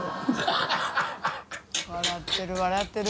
笑ってる笑ってる。